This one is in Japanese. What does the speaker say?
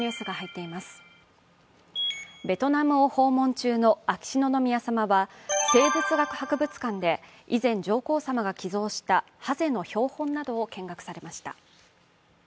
ベトナムを訪問中の秋篠宮さまは、生物学博物館で以前、上皇さまが寄贈したハゼの標本などを見学されました。